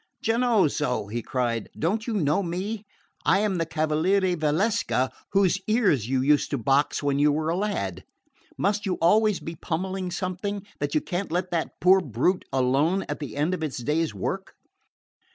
"Giannozzo," he cried, "don't you know me? I am the Cavaliere Valsecca, whose ears you used to box when you were a lad. Must you always be pummelling something, that you can't let that poor brute alone at the end of its day's work?"